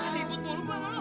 nah ikut bolu gue sama lo